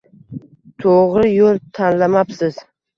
To'g'ri yo'l tanlamabsiz.